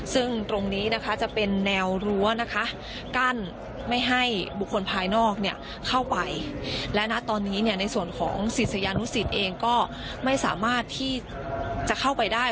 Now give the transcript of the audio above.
ซึ่งตรงนี้นะคะจะเป็นแนวรั้วนะคะกั้นไม่ให้บุคคลภายนอกเนี่ยเข้าไปและณตอนนี้เนี่ยในส่วนของศิษยานุสิตเองก็ไม่สามารถที่จะเข้าไปได้